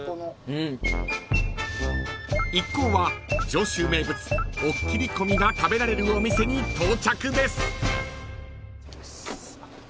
［一行は上州名物おっきりこみが食べられるお店に到着です］